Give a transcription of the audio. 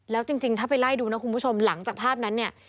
แล้วจริงถ้าไปไล่ดูนะคุณผู้ชมหลังจากภาพนั้นเนี่ย